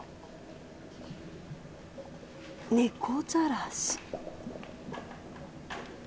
猫じゃらし。